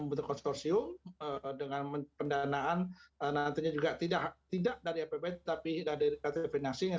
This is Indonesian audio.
membuat konsorsium dengan pendanaan nantinya juga tidak tidak dari ppb tapi dari kreatifinansi yang